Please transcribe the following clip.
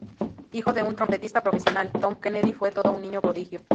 Hijo de un trompetista profesional, Tom Kennedy fue todo un niño prodigio.